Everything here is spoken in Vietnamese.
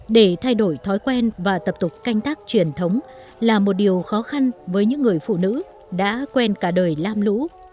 để thay đổi thói quen và tập tục canh tác truyền thống là một điều khó khăn với những người phụ nữ đã quen cả đời lam lũ